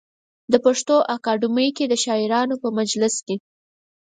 د پښتو اکاډمۍ کې د شاعرانو په مجلس کې.